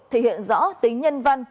thể hiện rõ tính nhân văn